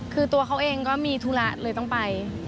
คือตัวเขาเองก็มีธุระเลยต้องไป